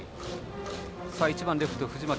１番レフト、藤巻。